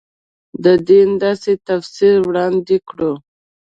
د دین داسې تفسیر وړاندې کړو.